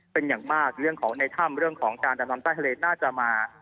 เป็นอย่างมากเรื่องของในถ้ำเรื่องของการดำน้ำใต้ทะเลน่าจะมา